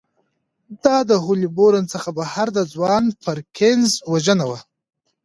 دا د هولبورن څخه بهر د ځوان پرکینز وژنه وه